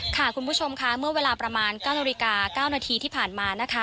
คุณผู้ชมค่ะเมื่อเวลาประมาณ๙นาฬิกา๙นาทีที่ผ่านมานะคะ